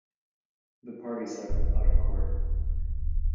The parties settled out of court.